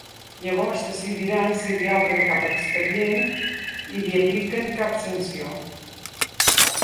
Llavors decidiran si li obren cap expedient i li apliquen cap sanció.